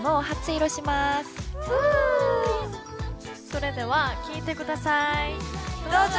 それでは聴いてください。